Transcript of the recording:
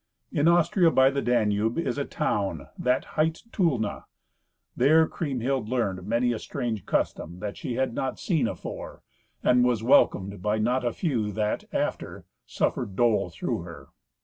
In Austria, by the Danube, is a town that hight Tulna. There Kriemhild learned many a strange custom that she had not seen afore, and was welcomed by not a few that, after, suffered dole through her.